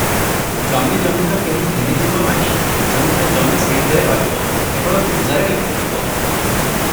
ତମ ଜମି ତ କେହି ଘେନିଯିବ ନାହିଁ, ଯେଉଁଠା ଜମି ସେହିଠାରେ ରହିବ, କେବଳ ଗୁଜାରେ ଲେଖାଯିବ ।